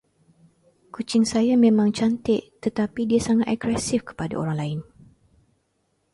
Kucing saya memang cantik tertapi dia sangat agresif kepada orang lain.